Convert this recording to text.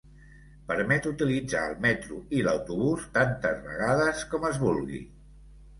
Permet utilitzar el metro i l'autobús tantes vegades com es vulgui.